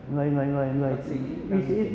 người người người